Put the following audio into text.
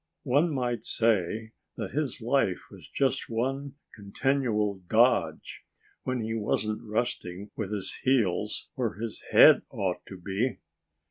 One might say that his life was just one continual dodge—when he wasn't resting with his heels where his head ought to be.